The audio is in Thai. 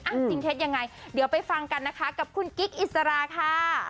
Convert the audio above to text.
จริงเท็จยังไงเดี๋ยวไปฟังกันนะคะกับคุณกิ๊กอิสราค่ะ